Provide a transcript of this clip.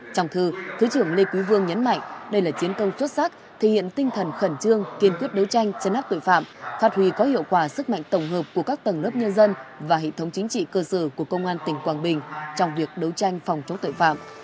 trong thư thứ trưởng lê quý vương nhấn mạnh đây là chiến công xuất sắc thể hiện tinh thần khẩn trương kiên quyết đấu tranh chấn áp tội phạm phát huy có hiệu quả sức mạnh tổng hợp của các tầng lớp nhân dân và hệ thống chính trị cơ sở của công an tỉnh quảng bình trong việc đấu tranh phòng chống tội phạm